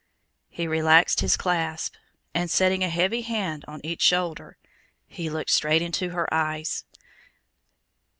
He relaxed his clasp, and setting a heavy hand on each shoulder, he looked straight into her eyes.